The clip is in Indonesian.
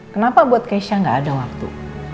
kenapa buat keisha gak ada waktu